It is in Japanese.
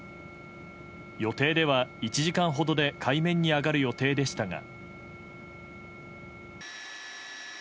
予定では１時間ほどで海面に上がる予定でしたが。